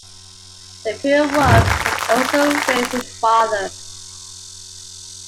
The Purewas had also raised his father.